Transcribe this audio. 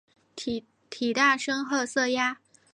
体大深褐色鸭。